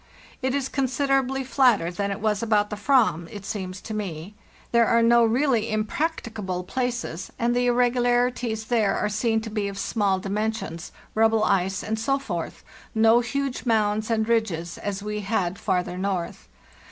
It is considerably flatter than it was about the /vam, it seems to me. There are no really impracticable places, and the irregularities there are seen to be of small dimensions—rubble ice, and so forth; no huge mounds and ridges, as we had farther north.